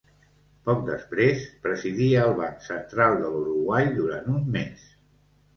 Poc després, presidia el Banc Central de l'Uruguai durant un mes.